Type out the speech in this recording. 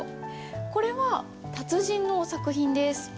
これは達人の作品です。